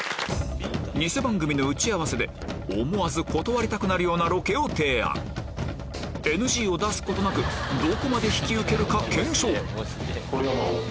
偽番組の打ち合わせで思わず断りたくなるようなロケを提案ＮＧを出すことなくどこまで引き受けるか検証